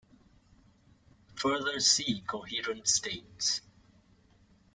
Further see coherent states.